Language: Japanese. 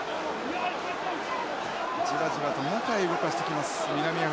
じわじわと中へ動かしてきます南アフリカです。